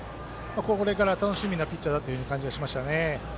これから楽しみなピッチャーだという感じしましたね。